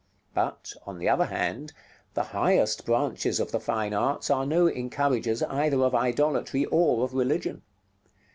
But, on the other hand, the highest branches of the fine arts are no encouragers either of idolatry or of religion.